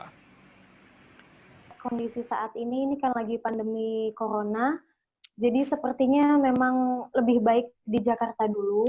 kondisi saat ini ini kan lagi pandemi corona jadi sepertinya memang lebih baik di jakarta dulu